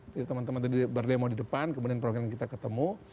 jadi teman teman tadi berdemo di depan kemudian perwakilan kita ketemu